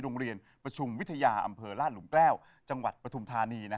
โรงเรียนประชุมวิทยาอำเภอลาดหลุมแก้วจังหวัดปฐุมธานี